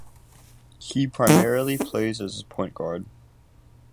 He primarily plays as point guard.